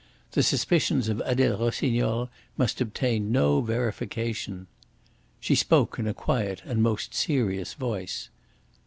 The suspicions of Adele Rossignol must obtain no verification. She spoke in a quiet and most serious voice.